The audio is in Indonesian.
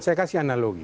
saya kasih analogi